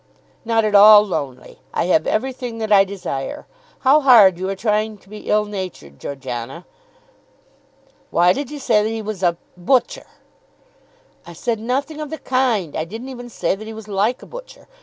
"Not at all lonely. I have everything that I desire. How hard you are trying to be ill natured, Georgiana." "Why did you say that he was a butcher?" "I said nothing of the kind. I didn't even say that he was like a butcher.